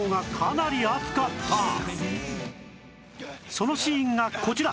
そのシーンがこちら